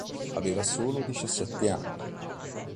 Aveva solo diciassette anni.